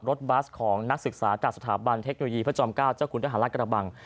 บัสของนักศึกษาจากสถาบันเทคโนโลยีพระจอม๙เจ้าคุณทหารรัฐกระบัง